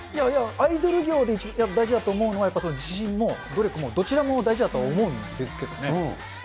アイドル業で一番大事だと思うのは、自信も努力もどちらも大事だとは思うんですけどね。